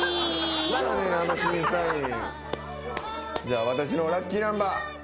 じゃあ私のラッキーナンバー。